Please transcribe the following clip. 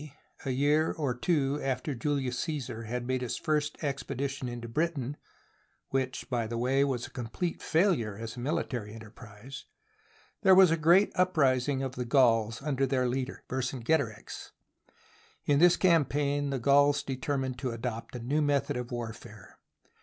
a year or two after Julius L\ Cassar had made his first expedition into *■"•>• Britain (which, by the way, was a com plete failure as a military enterprise), there was a great uprising of the Gauls under their leader, Ver cingetorix. In this campaign the Gauls determined to adopt a new method of warfare.